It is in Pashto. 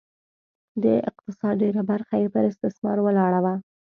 د اقتصاد ډېره برخه یې پر استثمار ولاړه وه